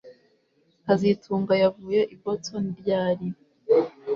kazitunga yavuye i Boston ryari